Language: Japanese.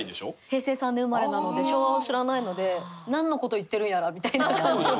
平成３年生まれなので昭和を知らないので何のこと言ってるんやらみたいな感じ。